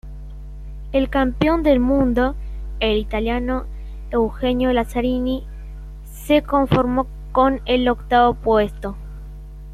El campeón del mundo, el italiano Eugenio Lazzarini, se conformó con el octavo puesto.